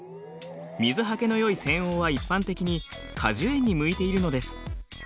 水はけのよい扇央は一般的に果樹園に向いているのです。